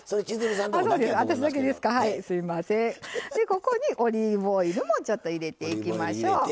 ここにオリーブオイルもちょっと入れていきましょう。